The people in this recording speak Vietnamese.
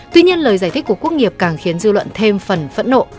tuy nhiên lời giải thích của quốc nghiệp càng khiến dư luận thêm phần phẫn nộ